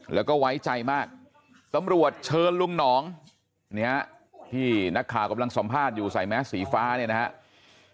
แล้วก็ไว้ใจมากตำรวจเชิญลุงหนองเนี่ยที่นักข่าวกำลังสัมภาษณ์อยู่ใส่แมสสีฟ้าเนี่ยนะครับ